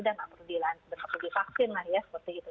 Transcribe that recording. dan aku divaksin lah ya seperti itu